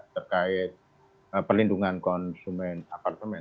terkait perlindungan konsumen apartemen